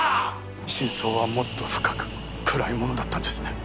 真相はもっと深く暗いものだったんですね